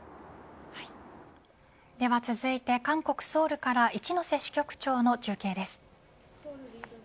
では続いて韓国ソウルから一之瀬支局長の中継です。